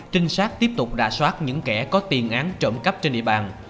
trinh sát tiếp tục đà soát những kẻ có tiền án trộm cắp trên địa bàn